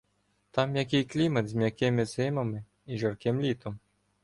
Там м'який клімат з м'якими зимами і жарким літом.